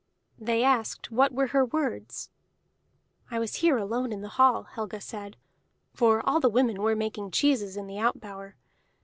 They asked what were her words. "I was here alone in the hall," Helga said, "for all the women were making cheeses in the out bower.